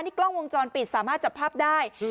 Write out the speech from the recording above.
กล้องวงจรปิดสามารถจับภาพได้